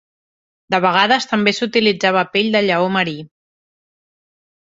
De vegades també s'utilitzava pell de lleó marí.